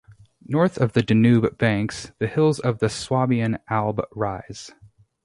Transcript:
North of the Danube banks the hills of the Swabian Alb rise.